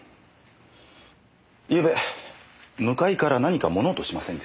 ゆうべ向かいから何か物音しませんでした？